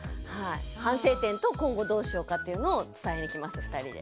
反省点と今後どうしようかというのを伝えに来ます２人で。